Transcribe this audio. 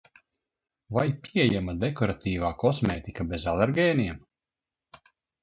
Vai pieejama dekoratīvā kosmētika bez alergēniem?